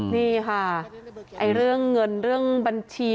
นี่ค่ะเรื่องเงินเรื่องบัญชี